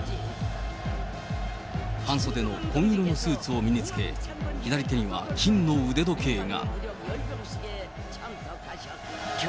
半袖の紺色のスーツを身に着け、左手には金の腕時計が。